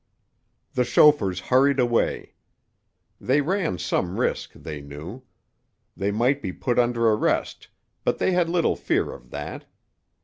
The chauffeurs hurried away. They ran some risk, they knew. They might be put under arrest, but they had little fear of that.